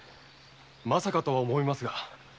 まさかとは思いますが。